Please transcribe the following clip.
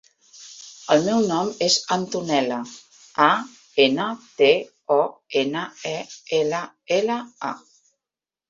El meu nom és Antonella: a, ena, te, o, ena, e, ela, ela, a.